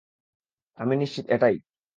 আমি নিশ্চিত এটাই।